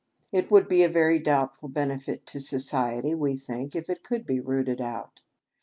It would be a very doubtful benefit to society, we think, if it could be rooted out.